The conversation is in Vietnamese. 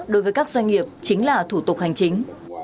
đối với các doanh nghiệp chính là thủ tục hành chính